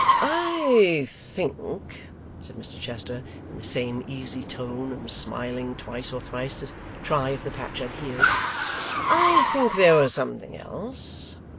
'I think,' said Mr Chester, in the same easy tone, and smiling twice or thrice to try if the patch adhered 'I think there was something else.